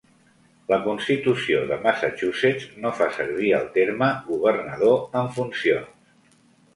La Constitució de Massachusetts no fa servir el terme "governador en funcions".